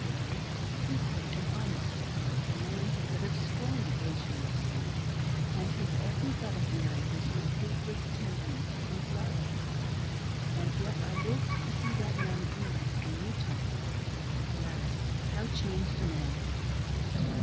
bearing, truthful and honest, a man who would have scorned evasion or deceit, and his every thought of Mary was replete with tenderness and love. And yet I lived to see that man again, in Utah — a^^ how changed a man